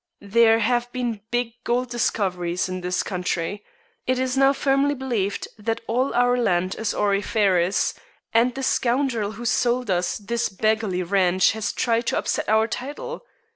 There have been big gold discoveries in this country. It is now firmly believed that all our land is auriferous, and the scoundrel who sold us this beggarly ranch has tried to upset our title.